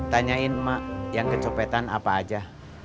tanyain mak yang kecopetan apa aja